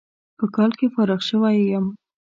په کال کې فارغ شوى يم.